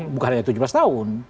bukan hanya tujuh belas tahun